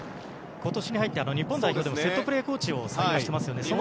今年に入って、日本代表でもセットプレーコーチを採用していますね。